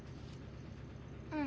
うん。